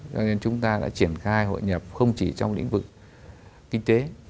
cho nên chúng ta đã triển khai hội nhập không chỉ trong lĩnh vực kinh tế